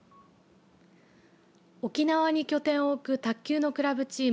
沖縄に拠点を置く卓球のクラブチーム